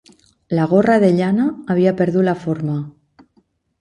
La gorra de llana havia perdut la forma